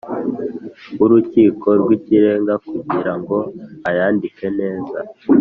w Urukiko rw Ikirenga kugira ngo ayandike neza